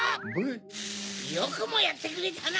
よくもやってくれたな！